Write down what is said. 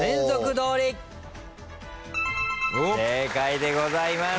正解でございます。